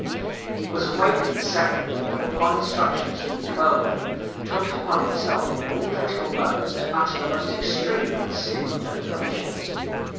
He was an awkward second and upon instructions from Kuehlmann took it upon himself in all critical moments to utter the most extreme and cynical declarations.